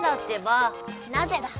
なぜだ？